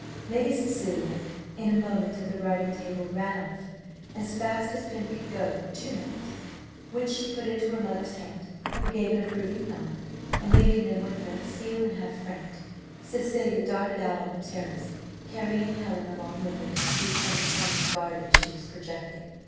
Lady Cecilia, in a moment at the writing table, ran off, as fast as pen could go, two notes, which she put into her mother's hand, who gave an approving nod; and, leaving them with her to seal and have franked, Cecilia darted out on the terrace, carrying Helen along with her, to see some Italian garden she was projecting.